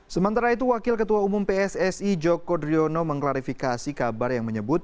sementara itu wakil ketua umum pssi joko driono mengklarifikasi kabar yang menyebut